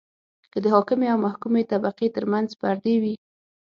که د حاکمې او محکومې طبقې ترمنځ پردې وي.